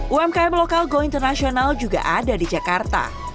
umkm local go international juga ada di jakarta